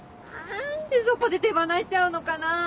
何でそこで手放しちゃうのかなぁ。